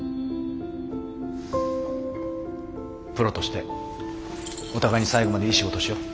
プロとしてお互いに最後までいい仕事をしよう。